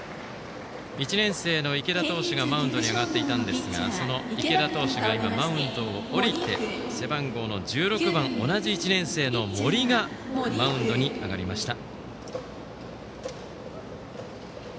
１年生の池田投手がマウンドに上がっていたんですがその池田投手がマウンドを降りて背番号１６番、同じ１年生の森がマウンドに上がりました。